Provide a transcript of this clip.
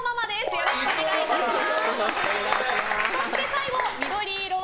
よろしくお願いします！